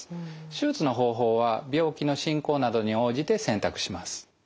手術の方法は病気の進行などに応じて選択します。